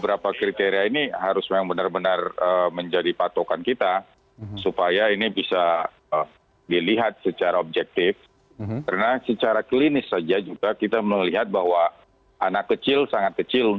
apakah sudah sesuai dengan